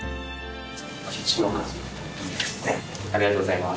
ありがとうございます。